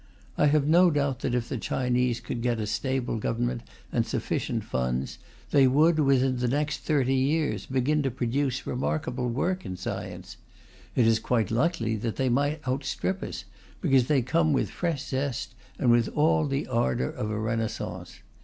I have no doubt that if the Chinese could get a stable government and sufficient funds, they would, within the next thirty years, begin to produce remarkable work in science. It is quite likely that they might outstrip us, because they come with fresh zest and with all the ardour of a renaissance.